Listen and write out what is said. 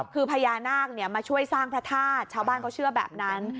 คือพญานาคมาช่วยสร้างพระธาตุชาวบ้านเขาเชื่อแบบนั้น